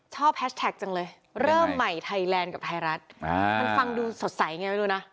แฮชแท็กจังเลยเริ่มใหม่ไทยแลนด์กับไทยรัฐมันฟังดูสดใสไงไม่รู้นะ